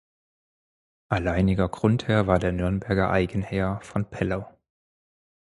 Alleiniger Grundherr war der Nürnberger Eigenherr von Peller.